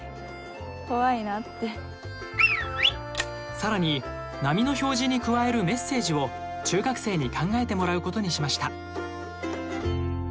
更に波の表示に加えるメッセージを中学生に考えてもらうことにしました。